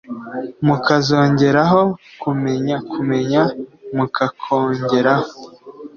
mukazongeraho kumenya kumenya mukakongeraho